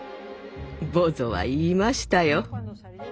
ボゾは言いましたよ。